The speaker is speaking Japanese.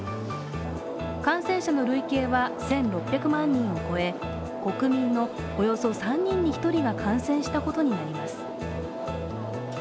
感染者の累計は１６００万人を超え国民のおよそ３人に１人が感染したことになります。